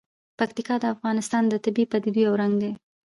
پکتیا د افغانستان د طبیعي پدیدو یو رنګ دی.